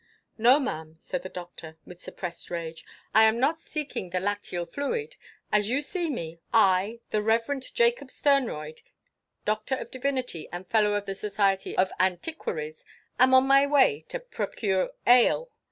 "No, Ma'am," said the Doctor, with suppressed rage. "I am not seeking the lacteal fluid. As you see me, I, the Reverend Jacob Sternroyd, Doctor of Divinity and Fellow of the Society of Antiquaries, am on my way to procure Ale!